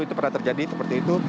itu pernah terjadi seperti itu